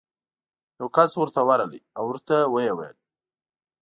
یو کس ورته ورغی او ورته ویې ویل: